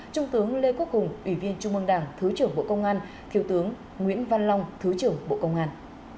trung tướng lê quốc hùng ủy viên trung mương đảng thứ trưởng bộ công an thiếu tướng nguyễn văn long thứ trưởng bộ công an